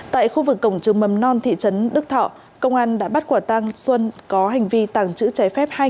tại khu vực cổng trường mầm non thị trấn đức thọ công an đã bắt quả tăng xuân có hành vi tàng trữ trái phép